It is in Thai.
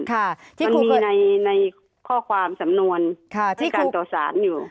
มันมีในข้อความสำนวนที่การต่อสารอยู่